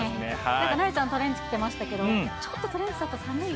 なえちゃん、トレンチ着てましたけど、ちょっとトレンチだと寒い？